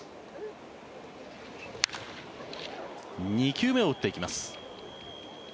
２球目を打っていきます。